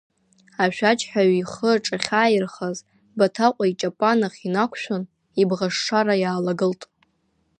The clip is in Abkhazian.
Ашәаџьҳәаҩ ихы аҿахьааирхаз, Баҭаҟәа иҷапанах инақәшәан, ибӷашшара иаалагылт.